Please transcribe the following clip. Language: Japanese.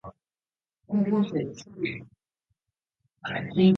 蝉の声が聞こえる。とても近く。生垣のどこかに潜んでいそうだった。間延びした鳴き声だった。